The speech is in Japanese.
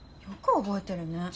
よく覚えてるね。